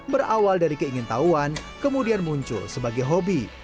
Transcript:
berawal dari keingin tahuan kemudian muncul sebagai hobi